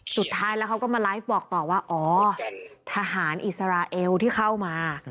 สุดท้ายเค้าก็มาไลฟ์บอกอ่อทหารอิสระเอวที่เข้ามา